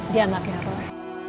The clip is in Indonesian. dia anak erol